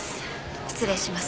失礼します。